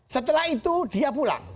setelah itu dia pulang